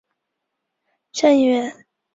下议院。